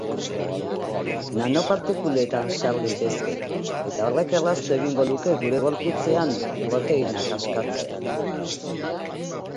Nanopartikuletan sar litezke, eta horrek erraztu egingo luke gure gorputzean proteinak askatzea.